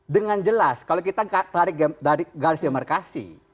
dengan jelas kalau kita tarik dari garis demarkasi